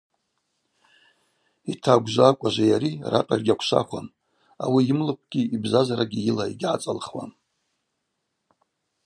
Йтагвжва акӏважви йари ракъыль гьаквшвахуам, ауи йымлыквгьи йбзазарагьи йыла йгьгӏацӏалхуам.